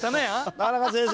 「田中先生」